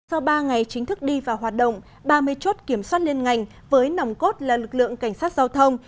sau ba ngày chính thức đi vào hoạt động ba mươi chốt kiểm soát liên ngành với nòng cốt là lực lượng cảnh sát giao thông